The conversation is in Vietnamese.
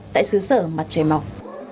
tại xứ sở mặt trời mọc